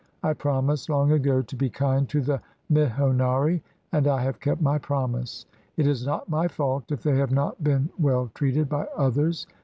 I promised long ago to be kind to the mihonari, and I have kept my promise. It is not my fault if they have not been well treated by others.